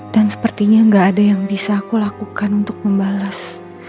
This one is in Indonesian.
dan sepertinya gak ada yang bisa aku lakukan untuk membalas